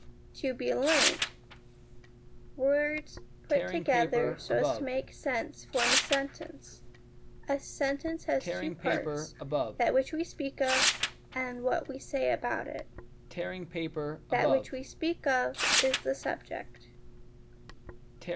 To be learnt Words put together so as to make sense form a sentence. A sentence has two parts : that which we speak of, and what we say about it. That which we speak of is the SUBJECT.